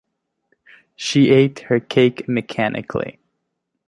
She ate her cake mechanically.